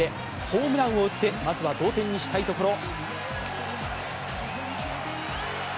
ホームランを打ってまずは同点にしたいところ。